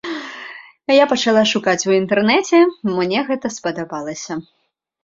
Я пачала шукаць у інтэрнэце, мне гэта спадабалася.